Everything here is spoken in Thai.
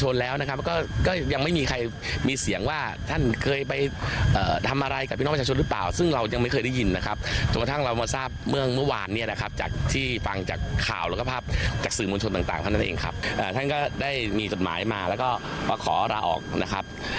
ให้แสดงใจจังหวัดลาออก